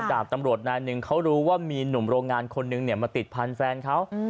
ดาบตำรวจนายหนึ่งเขารู้ว่ามีหนุ่มโรงงานคนนึงมาติดพันธุ์แฟนเขา